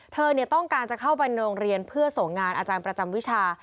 เธอต้องการจะเข้าไปในโรงเรียนเพื่อส่งงานอาจารย์ประจำวิชา